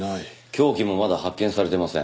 凶器もまだ発見されてません。